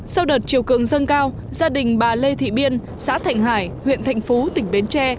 sau đợt chiều cường dâng cao gia đình bà lê thị biên xã thạnh hải huyện thạnh phú tỉnh bến tre